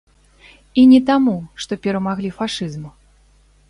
І не таму, што перамаглі фашызм.